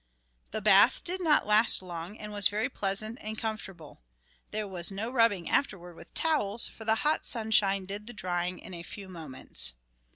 The bath did not last long, and was very pleasant and comfortable. There was no rubbing afterward with towels, for the hot sunshine did the drying in a few moments.